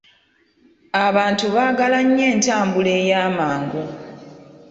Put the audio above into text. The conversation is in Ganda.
Abantu baagala nnyo entambula ey'amangu.